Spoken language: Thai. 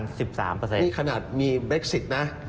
นี่ขนาดมีเบคซิกนะ